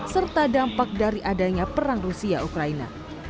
serta dampak dari adanya perang rusia ukraina